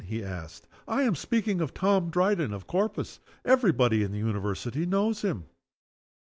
he asked. "I am speaking of Tom Dryden, of Corpus. Every body in the University knows _him.